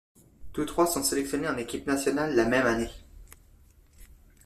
Tous trois sont sélectionnés en équipe nationale la même année.